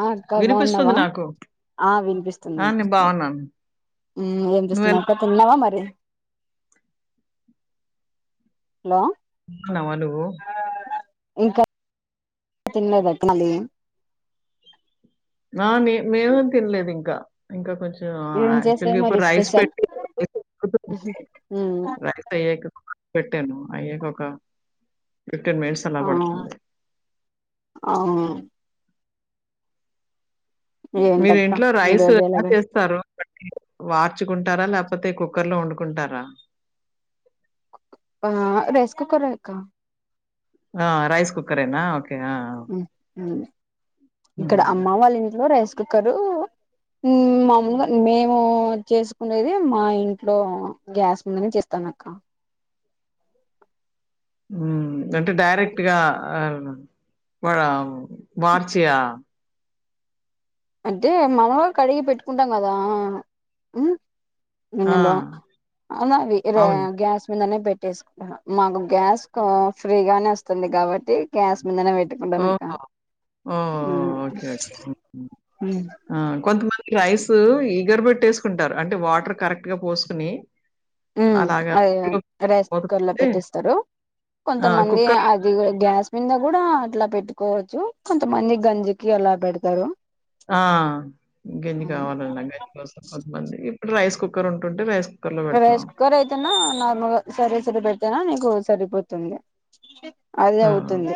ఆ అక్క వినిపిస్తుంది బాగున్నావా నాకు. ఆ వినిపిస్తుంది ఆ! నేను వినిపిస్తుంది బాగున్నాను. ఏంపిస్తున్నా నువ్వెలా అక్క తిన్నావా మరి హలో బాబునవా నువు ఇంకా థినాలెధు అక్క థినాలి ఆ! నే మేమేం తినలేదు ఇంకా. ఇంకా కొంచెం ఆహ్, ఏం చేశావ్ యాక్చువల్‌గా మరి ఇప్పుడు రైస్ స్పెషల్ పెట్టి రైస్ ఉడుకుతుంది. మ్మ్ రైస్ అయ్యాక పెట్టాను అయ్యాక ఒక ఫిఫ్టీన్ మినిట్స్ అలా ఆ పడుతుంది అవును మీరు ఏంటక్క ఇంట్లో ఈ రైస్ రోజు ఎలా గడిచింది చేస్తారు వార్చుకుంటారా లేకప పోతే కుక్కర్ లో వండుకుంటారా ఆ రైస్ కుక్కరే అక్క ఆ రైస్ కుక్కరేన ఒకే మ్మ్ మ్మ్ ఇక్కడ హ్మ్. అమ్మ వాళ్ళ ఇంట్లో రైస్ కుక్కరు ఉమ్ హ్మ్. మామలుగా మేము చేసుకునేది మా ఇంట్లో గ్యాస్ మిందనే చేస్తాను అక్క ఉ అంటే డైరెక్ట్ గా వా మార్చయా అంటే మనగా కడిగి పెట్టుకుంటాం కదా ఆ! ఎన్నలో ఆ! అ అవును. గ్యాస్ మీంద మాకు గ్యాస్ ఫ్రీగా వస్తుంది కాబట్టి గ్యాస్ మీదనేట్ ఎట్లాంటనక్క ఓహో! ఓహ్! ఓకే. ఓకే. ఆ కొంతమ రైస్ ఈగర పెెట్టేసుకుంటారు అంటే వాటర్ కరెక్ట్ గా పోసుకుని అదే రైస్ మూత కుక్కర్ లో పెడితే పెట్టిస్తారు ఆ! కొంతమంది కుక్కర్ అది గ్యాస్ నిన్న కూడా అట్లా పెట్టుకోవచ్చు కొంతమంది గంజికి అలా పెడతారు ఆ గింజి కావాలన్నా గంజి కోసం కొంతమంది ఇప్పుడు రైస్ కుకర్ కుక్కర్ ఉంటె వేస్ ప్రవేశకుర్ అయితేనా నార్మల్ సరే సర బ నా నీకు సరిపోతుంది అదే ఆ! అవుతుంది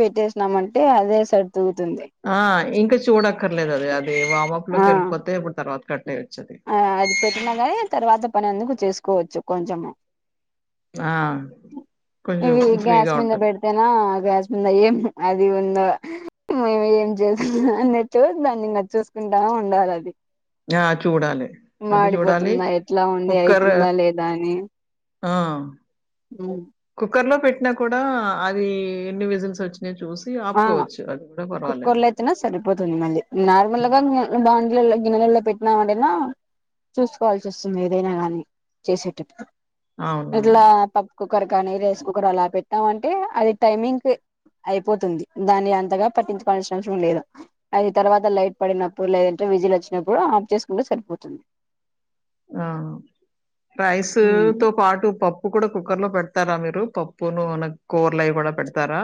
పెట్టే న్నామంటే అదే సడ్ ఆ ఇంకా చూడక్కర్లేదు అది అది వామప్ లోకి ఆ వెళ్ళిపోతే అప్పుడు తర్వాత్ కట్టే ఆ అది పెట్టిన కానీ తర్వాత పని అందుకు చేసు కోవచ్చు కొంచము ఆ! కొంచెం ఇవి గ్యాస్ ఫ్రీగా మీద ఉంటుంది. పెడుతేనా గ్యాస్ ఉంద ఏం అది ఉంద మేము ఏం చేస్తున్నా అన్నట్టు దాన్ని ఇంకా చూసుకుంటా ఉండాల అది ఆ చూడాలే మాడిపోతుందా ఎట్లా ఉంది కుక్కర్ అయితుందా లేదా అని ఆ అవ్ కుక్కర్ లో పెట్టినా కూడా అది ఎన్ని విజిల్స్ వచ్చి చూసి ఆపుకోవచ్చు అది కూడా పర్వాలేదు పోతుంది మళ్ళి హ్మ్. నార్మల్గా ఇంగ బాగున్ లల్లో గిన్నెల్లో పెట్టినాం అంటేనా చూసుకోవాల్సి వస్తుంది. ఏదైనా గాని చేసేటప్ అవునవును. ఎట్లా ప కుక్కర్ కానీ, రైస్ కుక్కర్ అలా పెట్టాం అంటే, అది టైమింగ్ అయిపో పోతుంది దాన్ని అంతగా పట్టించుకోల్సిన అవసరం లేదు. అది తర్వాత లైట్ పడినప్పుడు, లేదంటే విజిల్ వచ్చినప్పుడు, ఆఫ్ చేసుకుంటే సరిపోతుంది. ఆ రైస్ ఉమ్. తో పాటు పప్పు కూడా కుక్కర్ లో పెడ పెతారా మీరు పప్పును మన కూరలు అవి కూడా పెడతారా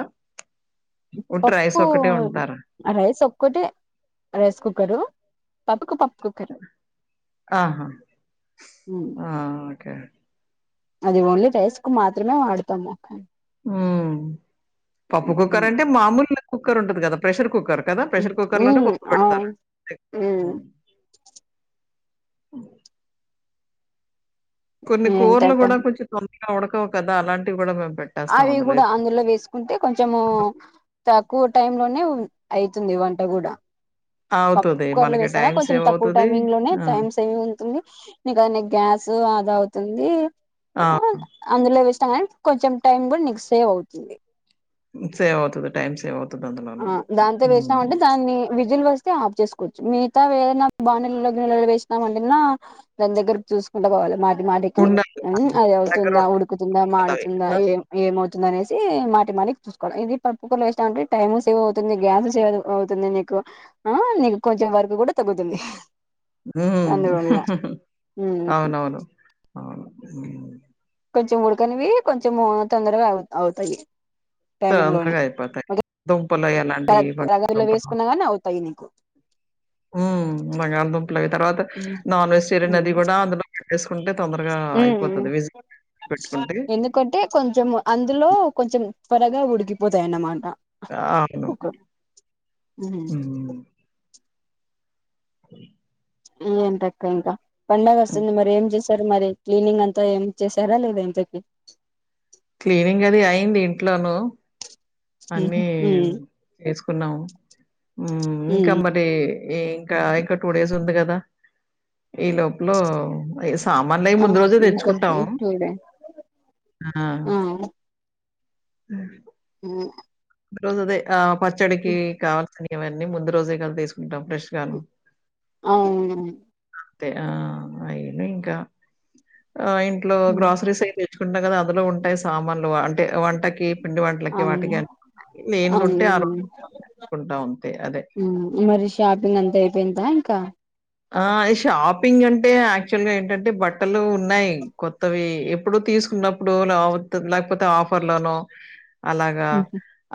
ఉట్టి రైస్ పప్పు ఒక్కటే వండుతారా? రైస్ ఒక్కటే రైస్ కుక్కరు పప్పుకు పప్ ఆహా ఉమ్. ఆ ఓకే అది ఓన్లీ రైస్ కు మాత్రమే వాడతాము హ్మ్. పప్పు కుక్కర ఉమ్. అంటే మామూలు కుక్కర్ ఉంటుంది కదా ప్రెష్ కుక్కర్ కదా! ప్రెషర్ ఉ కుక్కర్‌లోనే పప్పు అవు పెడతారు. ఉ అఓ కొన్ని కూరలు ఏంటంట కూడా కొంచెం తొం ఉడకవు కదా అలాంటివి కూడా మేము అవి కూడా అందులో వేసుకుంటే కొంచము కూ టైం లోనే అయితుంది వంట కూడా పప్పు అవుతది. కుక్కర్లోనే మనకి వేసానా టైం కొంచెం సేవ్ తక్కువ అవుతది. టైమింగ్ లోనే ఆ! టైమ్ సేవింగ్ ఉంటుంది. ఇక గ్యాస్ ఉ అద అవుతుంది ఆ! అ అందులో వత్యామ్ కొంచెం టైమ్ కూడా నీకు సేవ్ అవుతుంది సేవ్ అవుతది టైమ్ సేవ్ అవ ఆ దాంతో వేసినాం అంటే దాన్ని వి విజిల్స్ వస్తే ఆఫ్ చేసుకోవచ్చు మిగతావి ఏదైనా బా నెలలో వేసినా అన్నా దాని దగ్గర చూసుకుంట పోవాలి మా మాటికి ఉండాలి. అది అని దగ్గర అవుతుందా ఉడుకుతుందా, ఉండాలి మాడుతుందా కదవి. ఏమౌ అనేసి మాటి మాడికి చూసుకోవా ఇది పప్పు కల సండి టైమ్ సేవ్ అవుతుంది గ్యాస్ సేవ్ అవుతుంది నీకు ఆ నీకు కొంచెం వర్క్ కూడా తగ్గుతుంది హ్మ్మ్ అందువల్ల ఉమ్ అవునవును అవును కొంచెం ఉడుకనివి కొంచెం తొందరగా అవు అవుతాయి టైమింగ్ లోనే సంతగా అయిపోతాయి దుంపలు అవి అలాంటివి రగలో బళదుంపలు వేసుకున్నా గాని అవుతాయి నీకు బంగాళదుంపల అవి తర్వాత నాన్ వెజటేరి అది కూడా అందులో పెట్టేసుకుంటే తొందరగా హ్మ్మ్ అయిపోతది. విజిల్ పెట్టుకుంటే ఎందుకంటే కొంచెం అందులో కొంచెం త్వరగా ఉడికి పోతాయి అన్నమాట అవును ఉమ్మ్ కో ఏంటి అక్క ఇంకా పండగ వస్తుంది మరి ఏం చేస్తు సార్ మరి క్లీనింగ్ అంతా ఏం చేసారా లేదా ఇంతకి క్లీనింగ్ అది అయి్యంది ఇంట్లోనుూ అన్నీ వేసుకున్నాము ఇంకా మరి ఈ ఇంకా ఇంకా టూ డేస్ ఉంది కదా ఈ లోపలో సామాన్లు అయ్య ముందు రోజే ఇంకా తెచ్చుకుంటాము చూడే హ్మ్మ్ హ హ రోజు అదే ఆ పచ్చడికి కావల్సని ఇవన్నీ ముందు రోజే కలి తీసుకుంటాం ఫ్రెష్‌గాను. అవును ఆ అయిన ఇంకా ఆ ఇంట్లో గ్రాసరీస్ అయి తెచ్చుకుంటాం కదా అందులో ఉంటాయి సామాన్లు అంటే వంట వాంటకి పిండి వంటలకి అవును వాటికి లేనిదుంటే ఆ రోజు అవును తెచ్చుకుంటాం అంతే. అదే. మరి షాపింగ్ అంతా అయిపోయిందా ఇంకా ఆ షాపింగ్ అంటే యాక్చువల్గా ఏంటంటే బట్టలు ఉన్నాయి కొత్తవి ఎప్పుడు తీసుకున్నప్పుడు లేకపోతే ఆఫర్ లోన అలాగా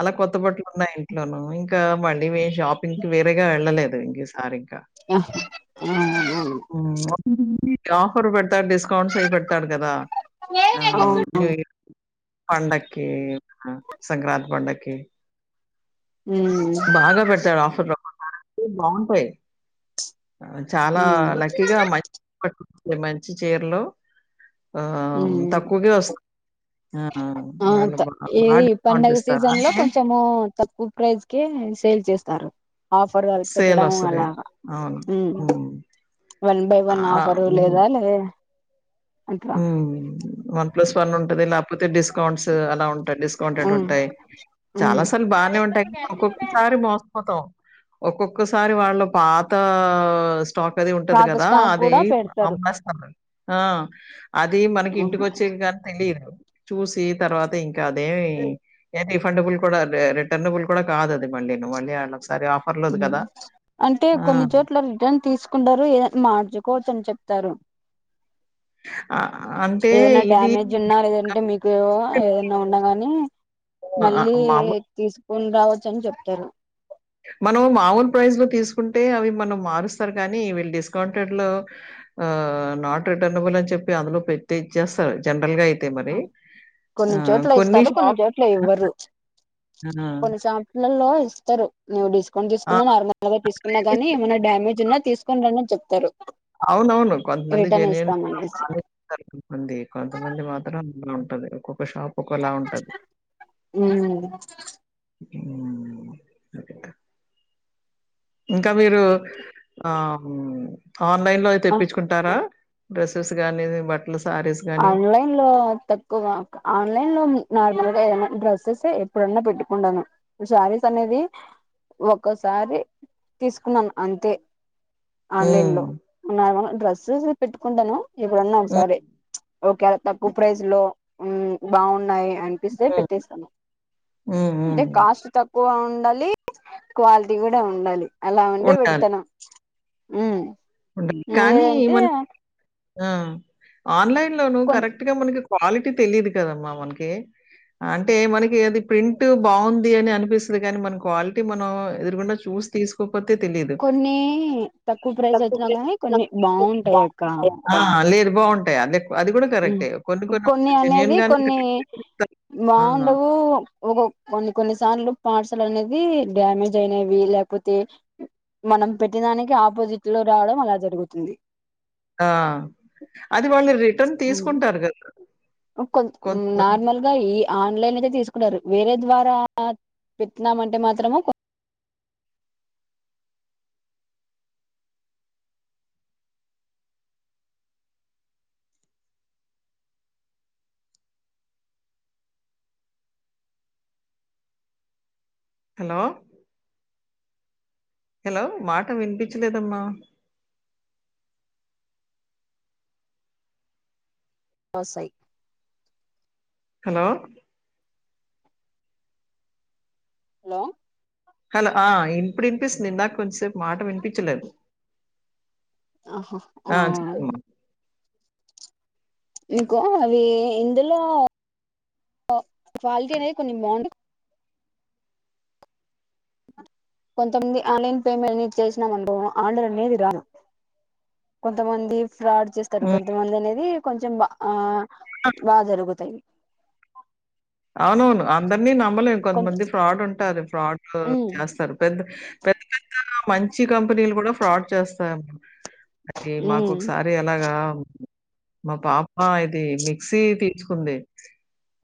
అలా కొత్త కొత్త బట్టలు ఇంట్లోను ఇంకా మళ్ళీ వే షాపింగ్ కి వేరేగా వెళ్ళలేదు ఇం సరింక ఆ రహురి పెట్ ఇంకా డిస్కౌంట్స్ అయి పెడతాడు కదా ఆ న్యూ ఇయర్ పండకి ఆ సంక్రాంతి పండకి ఉమ్ బాగా పెడతాడు ఆఫర్ లో ఏ బాగుంటాయి ఆ చాలా ఉమ్ లక్కీగా మం అవి మంచి చీరలు ఆ ఉమ్ తక్కువకె వస్ ఆ అంతే ఈ డిస్కౌంట్ పండగ ఇస్తారు. సీజన్ లో అంటే కొంచము తక్కువ ప్రైస్ కె సేల్ చేస్తారు ఆఫర్ అది పెట్టడం సేలొస్తది. అలాగా అవును. ఉ హ్మ్. వన్ బై వన్ ఆఫరు లేదా లే అట్లా ఊ వన్ ప్లస్ వన్ ఉంటది లేకపోతే డిస్కౌంట్స్ అలా ఉ డిస్కౌంటెడ్ ఉమ్ ఉంటాయి ఉమ్ చాలా సార్లు బాగానే ఉంటాయి ఒక్కొక్కసారి మోసపోతాం ఒక్కొక్కసారి వాళ్ళు పాత స్టాక్ అది ఉంటది పాత కదా స్టాక్ అది కూడా పెడతారు అమ్మస్తది ఆ అది మనకి ఉమ్, ఇంటికి వచ్చేగా కానీ తెలి ఏమో చూసి తర్వాత ఇంకా అదే ఏ రిఫండబుల్ కూడా అదే రిటర్నబుల్ కూడా కాదది మళ్ళీ ను మళ్ళీ ఆళ్ ఒ అంటే కొన్ని చోట్ల రిటర్న్ తీసుకుంటారు ఏ మార్చుకోవచ్చ అని చెప్ తరు ఆహ్, అంటే ఏదన్నా ఇది డ్యామేజ్ ఉన్నా లేదంటే మీకు ఏదనా ఉన్నా గాని ఆ! మళ్ళీ మామూలు తీసు న్ రావచ్చు అని చెప్తారు మనం మామూలు ప్రైస్ లో తీసుకుంటే అవి మనం మారుస్తారు కానీ వీళ్ళు డిస్కౌంటెడ్ లో నాట్ రిటర్నబుల్ అని చెప్పి అందులో పెద్దచ్చేస్తారు జనరల్ గా అ కొన్ని చోట్ల ఇస్తారు కొన్ని షాప్ చోట్ల ఇవ్వరు ఆ! కొన్ని సంట్లలో ఇస్తరు నోడిస్ కొన్ ఆ! తీకుకున్న నార్మల్ గా తీసుకున్నా గాని ఏమన్నా డామేజ్ ఉన్నా తీసుకుని రండని చెప్తారు అవును అవును కొంతమంది రిటర్న్ జెన్యూన్ ఇస్తామనేసి [unintelligible] కొంతమంది కొంతమంది మాత్రం భలే ఉంటది ఒక్కొక్క షాప్ ఒక్కోలా ఉంటది. మ్మ్ మ్మ్ సరే ఇంకా మీరు ఆహుం ఆన్లైన్ లోయి తెప్పించుకుంటారా డ్రెస్సెస్ గాని బట్ ఆన్లైన్ లో తక్కువ ఆన్లైన్ లోని నార్మల్ గా ఏమో డ్రెస్సెసే ఎప్పుడన్నా పెట్టుకుండాను, శారీస్ అనేది ఒకసారి తీసుకున్నాన్ అంతే. ఆన్లైన్ హ్మ్. లో ఉన్నావా డ్రెస్సెస్ పెట్టుకుంటాను హ్మ్. ఇవన్నోకసారి ఓకేళ తక్కువ ప్రైజ్ లో ఉమ్ బాగున్నాయి అనిపిస్తే హ్మ్. పెట్టేస్తాను హ్మ్. అంటే హ్మ్. కాస్ట్ తక్ కువ ఉండాలి క్వాలిటీ కూడా ఉండాలి అలా ఉండే వెడుతను ఉమ్ మ్మ్ కానీ మన్ ఆ ఆన్లైన్లోను కొ కరెక్ట్ గా మనకి క్వాలిటీ తెలియదు కదమ్మా మనకి, అంటే మనకి అది ప్రింట్ బాగుంది అని అనిపిస్తుంది కాని, మన క్వాలిటీ మనం ఎదురుగుండా చూసి తీసుకో కొన్ని తక్కువ ఫ్ర్ర ప్రై జ్ అయితున్నా గానీ కొన్ని బాగుంటాయి అక్క బావుంటాయ అన్ని హ్మ్ కొన్ని అనేది గానే కొన్ని కరెక్ట్‌గా ఇస్తారు. ఆ! బాగుండవు ఒక కొన్ని, కొన్నిసార్లు పార్సెల్ అనేది డ్యామేజ్ అయినవి లేకపోతే మనం పెట్టి దానికి ఆపోజిట్ లో రావడం అలా జరుగుతుంది. ఆ! అది వాళ్ళు రిటర్న్ తీసుకుంటారు గదా అకొం కొంతమంది నార్మల్ గా ఈ ఆన్లైన్ అయితే తీసుకుంటారు వేరే ద్వారా పెట్టినామంటే మాత్రము కొం హలో హలో మాట వినిపిచలేదమ్మా వొస్సయ్ హలో లో హలో ఆ ఇప్పుడు ఇనిపిస్తుంది ఇందాక కొంసేపు మాట విని పిచ్చలేదు అహ ఆ చెప్పమ్మా. నీకు అవి ఇందులో క్వాలిటీ అనేది కొంచం బావుంటుంది. కొంతమంది ఆన్లైన్ పేమెంట్ అనేది చేసినాం అనుకో ఆర్డర్ అనేది రాల కొంతమంది ఫ్రాడ్ చేస్తారు హ్మ్. కొంతమంది అనేది కొంచెం బా ఆ బా జరుగుతాయి. అవునవును అంద అన్ని నమ్మలేం కొంత కొంతమంది ఫ్రాడ్ ఉంటారు ఫ్రాడ్ ఉమ్ చేస్తారు పెద్ద [unintelligible] మంచి కంపెనీలు కూడా ఫ్రాడ్ చేస్తా అది మాకు ఉమ్ ఒకసారి ఎలాగా మా పాప ఇది మిక్సీ తీసుకుంది.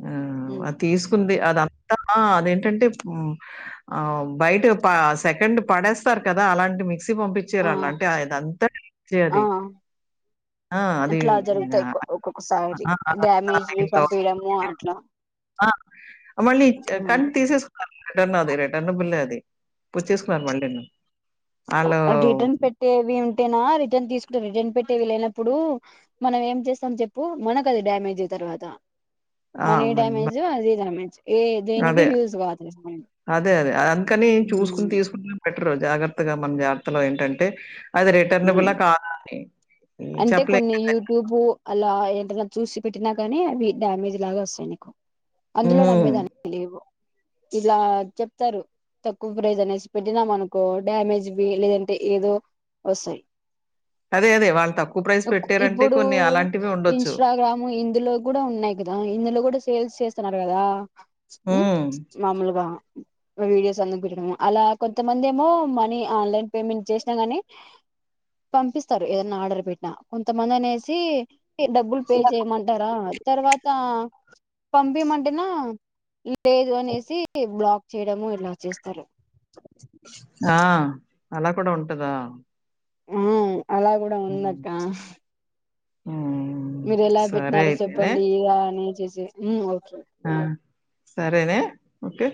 ఆ ఉమ్ అ తీసుకుంది అదంతా అదేంటంటే ఆ బయట ప సెకండ్ పడేస్తారు కదా అలాంటి మీ ఆ ఆ అది. ఆ! అట్లా అది జరుగుతాయి. ఒక్కొక్కసారి ఆ! అదంతా డ్యామేజ్లు అవుతూనే పంపీయడము ఉంది. అట్లా ఆ మళ్ళీ ఇచ్చారు ఉమ్ కానీ తీసేసుకున్నారు రిటర్న్ అది రిటర్న్ బిల్లే అది పుచ్చేసుకున్నారు మళ్ళీ రిటర్న్ పెట్టేవి ట్టేనా రిటర్న్ తీసుకుంటే రిటర్న్ పెట్టేది లేనప్పుడు మనం ఏం చేస్తాం చెప్పు మనకది డ్యామేజే తర్వాత ఆ! మనీ మన్ మ డ్యామేజు అది డ్యామేజ్ ఏ దేనికి అదే యూజ్ కాదు అదే అదే అందుకని చూసుకుని తీసుకుం జాగ్రత్తగా మన జాగ్రత్తలో ఏంటంటే అది హ్మ్ రిటర్నబులా కాదా అని అంటే చెప్పలేం కొన్ని కదండీ. యూట్యూబ్ అలా ఏంట చూసి పెట్టినా కానీ అవి డ్యామేజ్ లాగా వస్తాయి నీకు అందులో హ్మ్. నమ్మేదానికి లేవు ఇలా చెప్తారు తక్కువ ప్రైజ్ అనేసి పెట్టినాం అనుకో డ్యామేజ్ ది లేదంటే ఏదో వస్తాయి అదే. అదే. వాళ్ళు తక్కువ ప్రైస్ పెట్టారంటే ఇప్పుడు కొన్ని అలాంటివి ఉండొచ్చు. ఇన్స్టాగ్రామ్ ఇందులో కూడా ఉన్నాయి కదా ఇందులో కూడా సేల్స్ చేస్తున్నారు గదా హ్మ్ మాముూలుగా వీడియోస్ అందు పెట్టడము అలా కొంతమంది ఏమో మనీ ఆన్లైన్ పేమెంట్ చేసినా గానీ పంపిస్తారు ఏదన్నా ఆర్డర్ పెట్టినా కొంతమంది అనేసి డబ్బులు పే చేయమంటారా తర్వాత పంపీయమంటేనా లేదు అనేసి బ్లాక్ చేయడము ఇలా చేస్తారు ఆ అలా కూడా ఉంటదా ఉలొ అలా కూడా హ్మ్. ఉందాక్క హ్మ్. మీరు ఎలా సరే పెట్టినారో అయితేనే. చెప్పండి ఇడ అని చేస్తు మ్మ్ ఓకే ఆ సరేగ ఓకే